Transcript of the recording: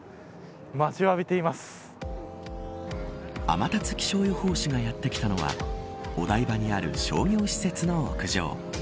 天達気象予報士がやって来たのはお台場にある商業施設の屋上。